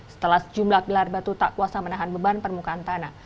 setelah sejumlah pilar batu tak kuasa menahan beban permukaan tanah